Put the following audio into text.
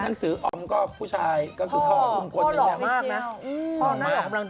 นักศื้ออมก็ผู้ชายก็คือท่ออุ้งคนนึง